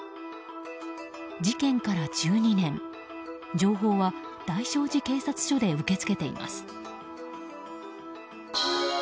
事件から１２年情報は大聖寺警察署で受け付けています。